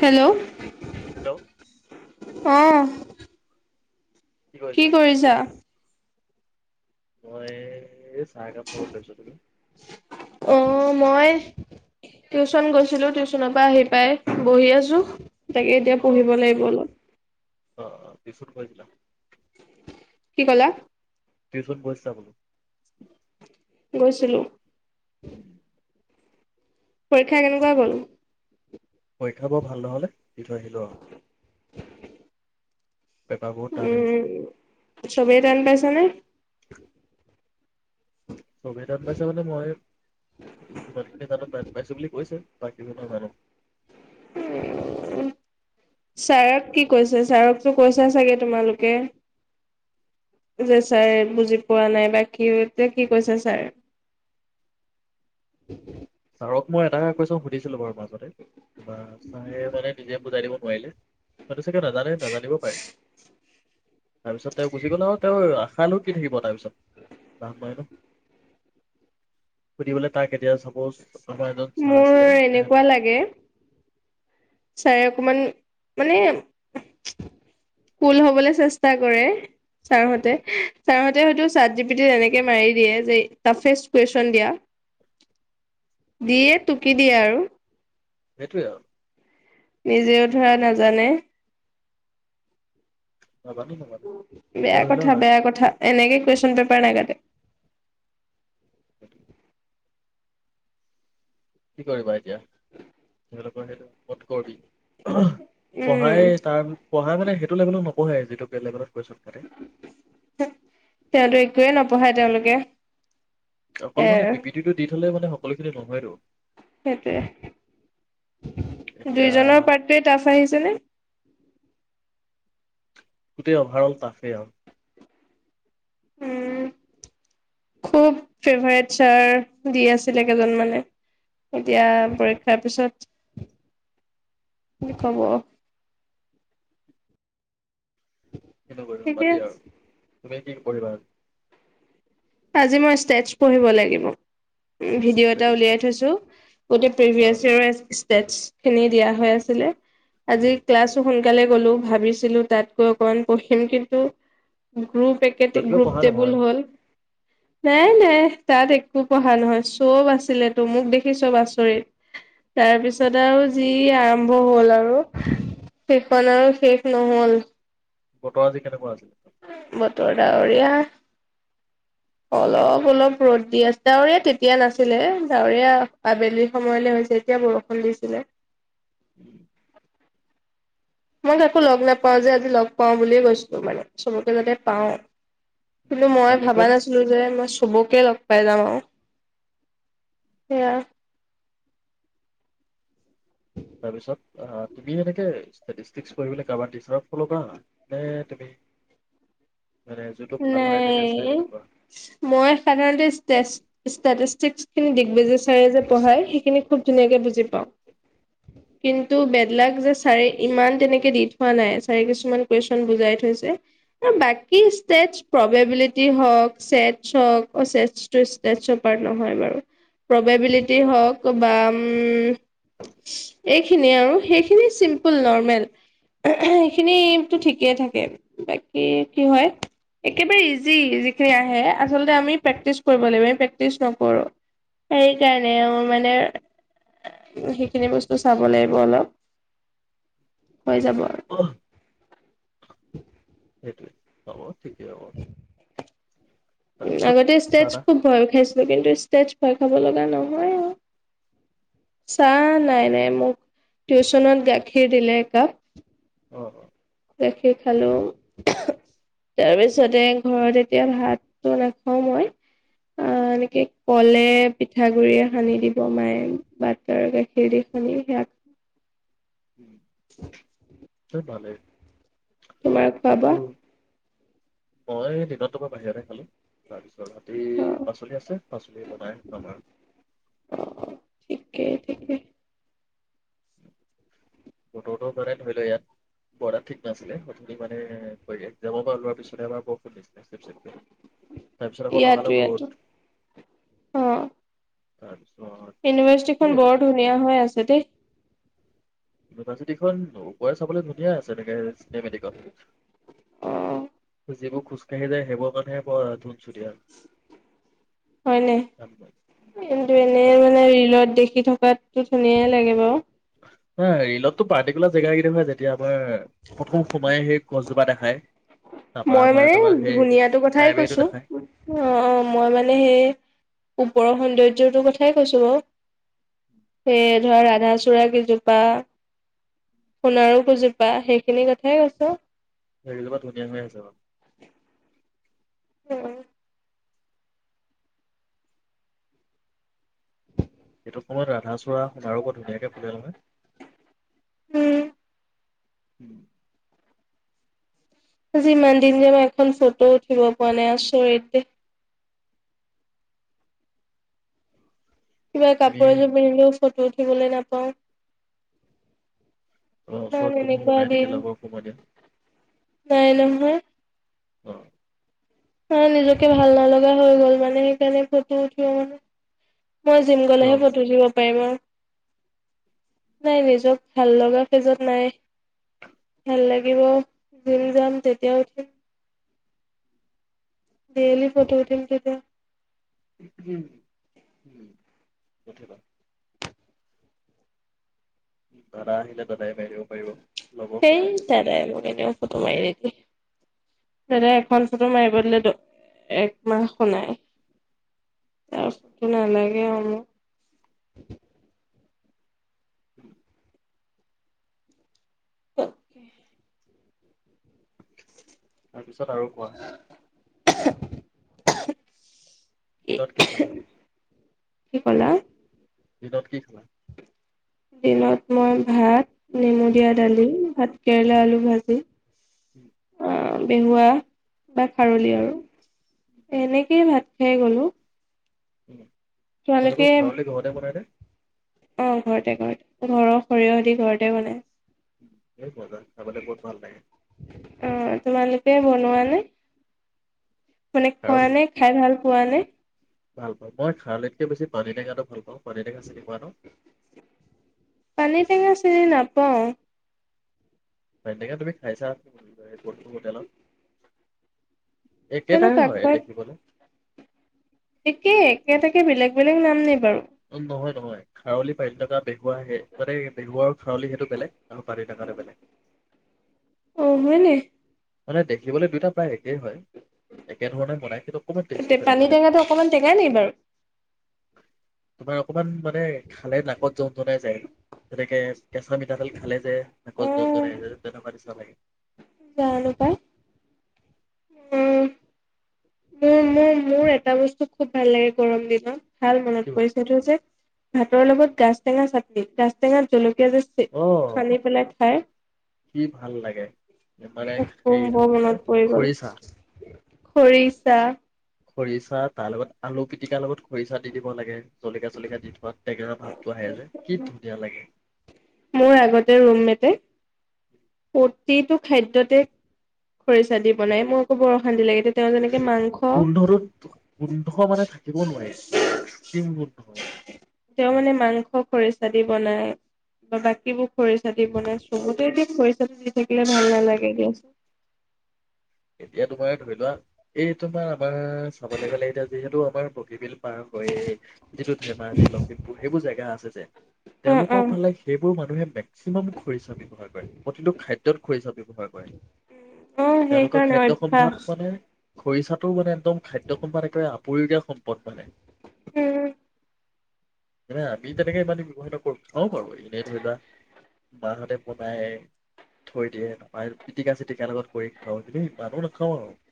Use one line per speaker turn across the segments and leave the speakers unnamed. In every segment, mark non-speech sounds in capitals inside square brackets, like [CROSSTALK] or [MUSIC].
Hello
hello
অ কি কৰিছা
মই চাহ একাপ খাব লৈছো তুমি
অ' মই টিউচন গৈছিলো টিউচনৰ পৰা আহি পাই বহি আছোঁ তাকে এতিয়া
অ',
পঢ়িব লাগিব অলপ
অ অ পিছত কৈ ছিলা
কি কলা
টিচোনত গৈছিলা বলো
গৈছিলো [UNINTELLIGIBLE] পৰীক্ষা কেনেকুৱা বোলো
পৰীক্ষা বৰ ভাল নহল দি থৈ আহিলো আৰু পেপাৰ বহুত টান
উম
আহিছিলে।
চবেই টান পাইছে নে
চবেই টান পাইছে মানে মই যিমানখিনি জানো টান পাইছো বুলি কৈছে বাকি কথা নাজানো
উম ছাৰক কি কৈছে ছাৰকতো কৈছা চাগে তোমালোকে যে ছাৰ বুজি পোৱা নাই বাকি যে কি কৈছে ছাৰে [UNINTELLIGIBLE]
আৰুক মই এটা কৈছো সুধিছো বাৰু মানে চাৰে মানে নিজে বুজাই দিব পোৱাইলো মান চাগে নাজানে নাজানিব পাৰে তাৰপিছত তেওঁ গুচি গ'ল ন তেওঁ খাই নো কি থাকিব তাৰপিছত বাহ বাই ন সুধিবলৈ তাক এতিয়া চাপজ আমাৰ এজন ছাৰ
মোৰ
আছিলে। এ
এনেকুৱা লাগে চাৰে অকমান মানে ফুল হবলৈ চেষ্টা কৰে ছাৰ মতে ছাৰ মতে ততে হয়তো চাৰ জি পিটিত এনেকে মাৰি দিয়ে যে টাফেষ্ট কুৱেশন দিয়া দিয়ে টুকি দিয়ে আৰু
সেইটোৱে আৰু
নিজেও ধৰা নাজানে
নাজানো নাজানো। তেতিয়া
বেয়া
ধৰি
কথা
লোৱা
বেয়া কথা এনেকে কুশন পেপাৰ নে লাগাতে
স কি কৰিবা এতিয়া তোমালোকৰ সেইটো কত কৰিবি
উম
পঢ়াই তাৰ পঢাই মানে সেইটো লেভল নঢ়ে যিটো বেলেগত
তেওঁতো একয়ে নপঢ়ায় তেওঁলোকে
অকল
এ
মানে
আৰু
পি পিটি টো দি থলে মানে সকলো খিনি নহয়তো
সেইটোৱে
এতিয়া
দুইজনৰ পাৰ্টোৱে টাফ আহিছেনে
গোটেই অভাৰ ৰল তাফে অ
উম খুব ফেভাৰট ছাৰ দি আছিল কেইজন মানে এতিয়া পৰীক্ষাৰ পিছত কি কব
এনে কৰি বাদ
ঠিকে
দিয়া আৰু তুমি কি পঢ়ি বাআৰু
আজি মই ষ্টেচ পঢ়িব লাগিব ভিডিঅ' এটা উলিয়াই
ষ্টেটিষ্টিক্স
থৈছো গোট
অ
প্ৰিভিয়াছ ইয়ে টেচ খিনি দিয়া হৈ আছিলে আজি ক্লাছো সোনকালে গলো ভাবিছিলো তাত গৈ অকমান পঢ়িম কিন্তু গ্ৰুপ একে
তাতকৈ
গ্ৰুপ
পঢ়া
টেবুল
নহয়
হ'ল নাই নাই তাত একো পঢ়া নহয় চব আছিল তো মোক দেখি চব আচৰিত তাৰপিছত আৰু যি আৰম্ভ হল আৰু সেইখন আৰু শেষ নহল
বতৰ আজি কেনেকুৱা আছিল
বতৰ ডাৱৰীয়া অলপ অলপ ৰ'দ দি আছে ডাৱৰীয়া তেতিয়া নাছিলে ডাৱৰীয়া আবেলি সময়লৈ হৈছে এতিয়া বৰষুণ দিছিলে মই একাকো লগ নাপাও যে আজি লগ পাওঁ বুলিয়ে কৈছিলো মানে চবকে যাতে পাওঁ কিন্তু মই
ভালে
ভাবা
কৰিলে
নাছিলো যে মই চবকে লগ পাই যাম আৰু সেয়া
তাৰপিছত আহ টিপিহে থাকে ইড়ষ্টিক পঢ়লৈ কাবাৰ টি ছাৰ ফল কৰা নে তুমি মানে যোনটো ভাল হয় তেতিয়া চাই
নাই
মেলি কৰা
মই সাধাৰণতে ষ্টষ্টিক খিনি দিগ্বজয় ছাৰে যে পঢ়ায় [UNINTELLIGIBLE] ধুনীয়াকে বুজি পাওঁ। কিন্তু বেদলাক যে ছাৰে ইমান তেনেকে দি থোৱা নাই ছাৰে কিছুমান কুৱেশন বুজাই থৈছে আৰু বাকী টেচপ্ৰববিলিটি হওঁক চেচ হওক অহ চেচটো ইচটেচৰ পাৰ্ট নহয় বাৰু। প্ৰববিলিটি হওক বা এইখিনিয় আৰু সেইখিনি চিম্পুল নৰ্মেল সেইখিনিটো ঠিকেই থাকে বাকী কি হয় একেবাৰে ইজি যিখিনি আহে আচল আমি প্ৰেক্টিচ কৰিব লাগিব প্ৰেক্টিচ নকৰো, সেই কাৰণে মানে সেইখিনি বস্তু চাব লাগিব, অলপ হৈ যাব আৰু
উহ
[UNINTELLIGIBLE]
সেইটোৱে, হ'ব ঠিকে অহ
আগতে ষ্টেজ খুব ভয় খাইছিলো কিন্তু ষ্টেজ ভয় খাব লগা নহয় চাহ নাই নাই মোক টিউচনত গাখীৰ দিলে একাপ
অহ অহ
গাখীৰ খালো তাৰপিছতে ঘৰত এতিয়া ভাতটো নেখাও মই। আহ এনেকে কলে পিঠাগুৰিয়ে সানি দিব মায়ে ভাত গাখীৰ দি সানি সেয়া খা
[UNINTELLIGIBLE] ভালেই
তোমাক
ভাতটো
পাবা
মই দিনত টো বা বাহিৰতে খালো। তাৰপিছত ৰাতি
অ
পাচলি আছে, পাচলি বনাই খাম
অ ঠিকেই
আৰু
ঠিকেই
বতৰটো মানে ধৰি লোৱা ইয়াত বৰদাত ঠিক নাছিলে সুনি মানে যাবৰ পৰা লোৱাৰ পিছত আমাৰ বৰষুণ দিছিলে তাৰপিছত আকৌ
ইয়াতো
লগালগ
ইয়াতো
ৰ'দ
অ
হয়
ইউনিভাৰ্চিটিখন বৰ্ড ধুনীয়া হৈ আছে দেই।
ইউনিভাৰ্চিটিখন ওপৰে চাবলৈ ধুনীয়া আছে এনেকে এহ মেডিকল
অ
যিবোৰ খোজকাঢ়ি যায় সেইবোৰৰ কাৰণেহে বৰ ধুনচু দিয়া
হয়নে? কিন্তু এনে মানে ৰিলত দেখি খি থকাকে ধুনীয়ে লাগে বাৰু
নহ ৰিলতটো পাৰ্টিকুলাৰ জেগা কেই দেখায় যেতিয়া হয় হয়, প্ৰথম সোমায়ে সেই গছ জোপা দেখাই
মই মানে ধুনীয়া টো কথাই
লাইব্ৰেৰীটো
কৈছো
দেখাই
অহ অহ মই মানে সেই ওপৰৰ সৌন্দৰ য্যৰ কথাই কৈছো বাৰু। সেই ধৰা, ৰাধাচূড়া কেইজোপা সোণাৰু কেইজোপা সেইখিনি কথাই কৈছো।
[UNINTELLIGIBLE] দে [UNINTELLIGIBLE]
উম
সেইটো সময়ত ৰাধা চূড়া সোণাৰো ব ধুনীয়াকে ফুলে নহয় উ
আজিমান দিন যাম এখনো ফটো উঠিব পোৱা নাই আচৰিততে কিবা
তুমি
কাপোৰ এযোৰ পিন্ধিলেও ফটোত পিন্ধলৈ নাপাওঁ ইমান
ওচৰত কোনো
এনেকুৱা
নাই নেকি
দিন।
লগৰ কোনোবা দিয়া
নাই নহয়
অ
অ নিজকে ভাল নলগা হৈ গ'ল মানে সেইকাৰণে ফটো উঠিব মানে মই জিম
কিয়?
গ'লেহে ফটো টো নাই নিজক ভাল লগা ফেজত নাই ভাল লাগিব যদি যাম তেতিয়া উঠিম ডেইি ফটোতিম কতিয়া
ঠ দাদা আহিলে দাদায়ে মাৰি দিব পাৰিব লগৰ
সেই
সমনীয়াই মাৰিব
দাদায়ে মোকএনেও ফটো মাৰি নিদিয়ে দাদা এখন ফটো মাৰিব দিলে একমাহ শুনাই তাৰ ফটো নালাগে অ মোক
উম [UNINTELLIGIBLE]
তাক
তাৰপিছত আৰু কোৱা
[UNINTELLIGIBLE]
দিনত কি খালা
কি ক'লা
দিনত কি খালা
দিনত মই ভাত নেমু দিয়া দালি ভাত কেৰেলা আলু ভাজি তেনেকুৱা বা খাৰলি
অ'
আৰু এনেকেই ভাত সেই গলো
উম
তোমালোকে
তোমালোকৰ খাৰলি ঘৰতে বনাই নে
অ ঘৰতে ঘৰতে ঘৰৰ সৰিয়হ দি ঘৰতে বনাই
এ মজা খাৱলে বহুত ভাল লাগে
অ তোমালোকে বনোৱা নে মানে খোৱা
খাৰলি
নে খাই ভাল পোৱা খোৱা নে
ভাল পাওঁ মই খাৰলিতকে বেছি পানী টেঙাটো ভাল পাওঁ পানী টেঙা চিনি পোৱা ন
পানিটেঙা চিনি নাপাওঁ
পানিটেঙা তুমি খাইছা কোন কোন হোটেলত
জানো
একেইটাই হয় দেখিবলৈ
একে একেটাকে বেলেগ বেলেগ নাম নে বাৰু
নহয় নহয় খাৰলি পানীটেঙা বেহুৱা আহে মানে বেহুৱা আৰু খাৰলি সেইটো বেলেগ আৰু পানিটেঙাটো বেলেগ
অ হয়নে
মানে দেখিবলৈ দুয়োটা প্ৰায় একে সেই হয় একেধৰণে বনাই কিন্তু অকণমান টেষ্টটো বেলেগ
পানী
বেলেগ হয়
টেঙাটো অকমান টেঙা নি বাৰু?
তোমাৰ অকমান মান মানে খালে নাকত যম জনাই যায় তেনেকে কেঁচা মিঠাতেল খালে যে আাকত
উম
যোনজন আহ তেনেকুৱা নিচা লাগে
জানো পায় উম মোৰ মোৰ মোৰ এটা বস্তু খুব ভাল লাগে গৰম দিনত ভাল
কি
মনত
বস্তু
পৰিচাটো যে ভাতৰ লগত গা টেঙা চাটনি গাছ টেঙাত জলকীয়া পিয়াজ যে সানি পেলাই খাই
সি ভাল লাগে মানে
উফ
হেৰিটো
বৰ
কি বুলি
মনত
কয়
পৰি গ'ল
খৰিচাহ
[UNINTELLIGIBLE]
খৰিচা তাৰ লগত আলু পিটিকাৰ লগত খৰিচা দি দিব লাগে চলিকা চলিককা দি থাত তেকা ভাবটো আহে যে কি ধুনীয়া লাগে
মোৰ আগতে ৰুম মেটে প্ৰতিটো খাদ্যতে খৰিচা দি বনাই মোৰ আকৌ বৰ অশান্তি লাগে তেওঁ যেনেকে মাংস
গোন্ধটোত গোন্ধ মানে থাকিব নোৱাৰি এক্সট্ৰিম গোন্ধ মানে
তেওঁ মানে মাংস খৰিচা দি বনাই বা বাকীবোৰ খৰিচা দি বনাই চবতে এতিয়া খৰিচা দি থাকিলে ভাল নালাগে দিয়াোন
এতিয়া তোমাৰ ধৰি লোৱা এই তোমাৰ আমাৰ চাবলৈ গলে এতিয়া যিহেতু আমাৰ পকি পাৰ হৈ যিটো ধেমাজি লখিমপুৰ সেইবোৰ জেগা আছে যে
উম,
তেওঁলোকৰ
উম,
ফালে সেইবোৰ মানুহে মেক্সিমাম খৰিচা ব্য্ৱহাৰ কৰে প্ৰতিটো খাদয় খৰিছাবি ব্যৱহাৰ কৰে
উম,
তেওঁলোকৰ
সেইকাৰণে
খাদ্যয়
অভ্যাস
সম্ভাত মানে খৰিচাটোও মানে একদম খাদ্য সম্ এনেকে [UNINTELLIGIBLE] পৰি দিয়া শম পত মালে
উম।
[UNINTELLIGIBLE] মে আমি তেনেকে ইমান ব্যৱহাৰ নকৰো। থওঁ বাৰু এনেই ধৰি লোৱা মাহতে বনাই থৈ দিয়ে নহয় পিটিকা চিটিকা লগত কৰি [UNINTELLIGIBLE]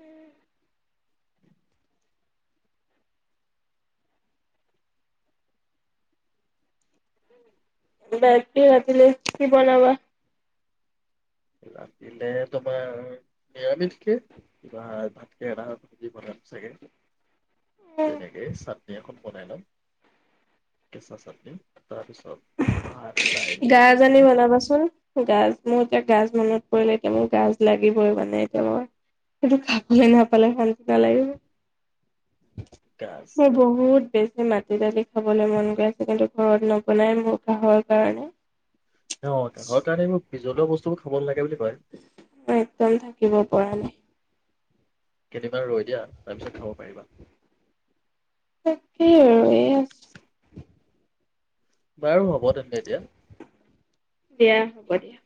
উম বাইক কি ৰাটিলে কি বনাবা?
ৰাতিলে তোমাৰ নিৰামিষকে কিবা ভাতকে এ ভাজি বনাম চাগে, তেনেকেই চাটনি এখন বনাই লম কেঁচা চাটনি তাৰপিছত ভাত দাইল
গাজ আনি
তেনেকে আৰু
বনাবাচোন, গাজ মোৰতিয়া গাজ মনত এতিয়া মোৰ গাজ লাগিবই মানে এতিয়া খাবলৈ নাপালে শান্তি নালাগে
গাজ
ম বহুত বে মাটি দালি খাবলৈ মন গৈ আছে কিন্তু ঘৰত ন- বনাই মোৰ কাহৰ কাৰনে
অ কাহৰ কাৰণেই বিজলুৱা বস্তুবোৰ খাব নালাগে বুলি কয়
একদম থাকিব পৰা নাই
কেইদিনমান ৰৈ দিয়া, তাৰ পিছত খাব পাৰিবা
তাকেই আৰু এয়া
বাৰু হ'ব তেন্তে এতিয়া
দিয়া হ'ব দিয়া